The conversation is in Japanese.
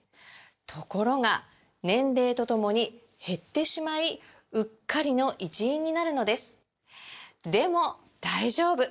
ところが年齢とともに減ってしまいうっかりの一因になるのですでも大丈夫！